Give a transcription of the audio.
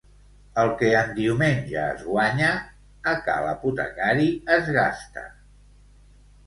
El que en diumenge es guanya, a ca l'apotecari es gasta.